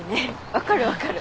分かる分かる。